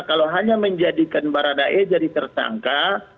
kalau hanya menjadikan baradae jadi tersangka